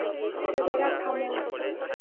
ছেলেরা, থামো।